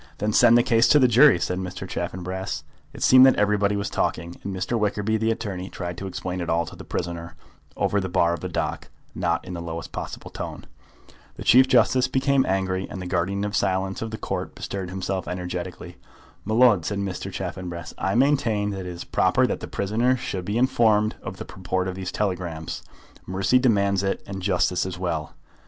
"Then send the case to the jury," said Mr. Chaffanbrass. It seemed that everybody was talking, and Mr. Wickerby, the attorney, tried to explain it all to the prisoner over the bar of the dock, not in the lowest possible voice. The Chief Justice became angry, and the guardian of the silence of the Court bestirred himself energetically. "My lud," said Mr. Chaffanbrass, "I maintain that it is proper that the prisoner should be informed of the purport of these telegrams. Mercy demands it, and justice as well."